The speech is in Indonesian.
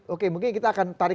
oke mungkin kita akan tarik